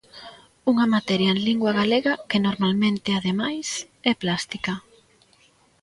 Unha materia en lingua galega, que normalmente, ademais, é plástica.